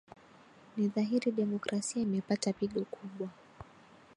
ni dhahiri demokrasia imepata pigo kubwa